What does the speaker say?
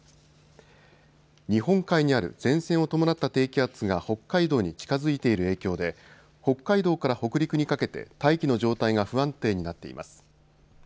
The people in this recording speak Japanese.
日本海にある前線を伴った低気圧が北海道に近づいている影響で北海道から北陸にかけて大気の状態が不安定になっています。